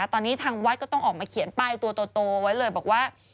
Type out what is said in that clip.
ตอนนี้ทางวัดก็ต้องออกมาเขียนป้ายตัวโตไว้เลยบอกว่า